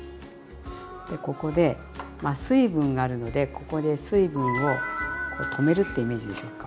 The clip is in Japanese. ここで水分があるのでここで水分を止めるってイメージでしょうか。